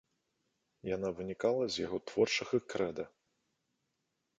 Яна вынікала з яго творчага крэда.